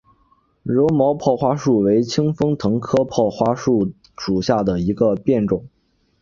柔毛泡花树为清风藤科泡花树属下的一个变种。